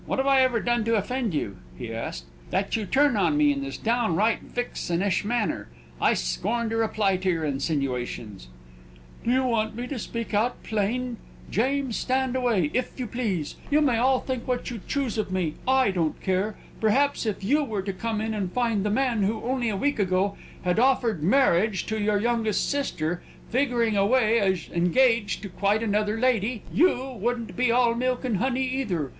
"What have I ever done to offend you," he asked, "that you turn on me in this downright vixenish manner? I scorn to reply to your insinuations!" "Do you want me to speak out plain? James, stand away, if you please. You may all think what you choose of me. I don't care! Perhaps if you were to come in and find the man who, only a week ago, had offered marriage to your youngest sister, figuring away as engaged to quite another lady, you wouldn't be all milk and honey, either.